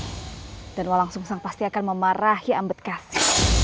nadawalangsungsang pasti akan memarahi ambetkasi